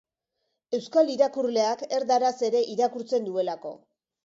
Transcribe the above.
Euskal irakurleak erdaraz ere irakurtzen duelako.